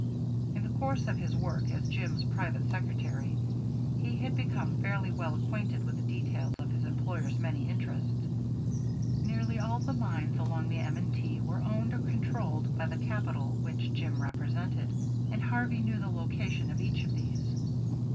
In the course of his work as Jim's private secretary he had become fairly well acquainted with the details of his employer's many interests. Nearly all the mines along the M. & T. were owned or controlled by the capital which Jim represented, and Harvey knew the location of each of these.